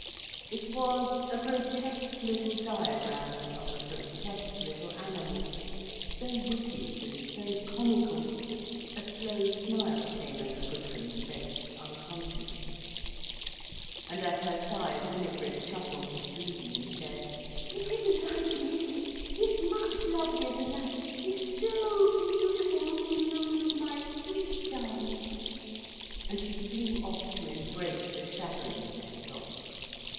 It was a grotesque little diagram of a grotesque little animal, so wicked and so comical, a slow smile came over Gudrun's face, unconsciously. And at her side Winifred chuckled with glee, and said: "It isn't like him, is it? He's much lovelier than that. He's so beautiful mmm, Looloo, my sweet darling." And she flew off to embrace the chagrined little dog.